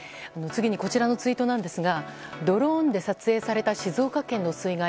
次にこちらのツイートですが「ドローンで撮影された静岡県の水害。